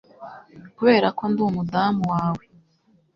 Kubera ko ndi umudamu wawe